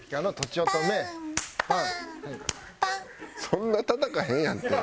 そんなたたかへんやん手。